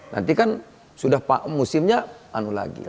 nanti kan sudah musimnya anu lagi